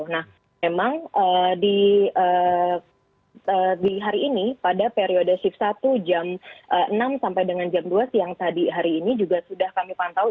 nah memang di hari ini pada periode shift satu jam enam sampai dengan jam dua siang tadi hari ini juga sudah kami pantau